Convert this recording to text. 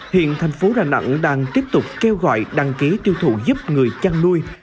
hiện thành phố đà nẵng đang tiếp tục kêu gọi đăng ký tiêu thụ giúp người chăn nuôi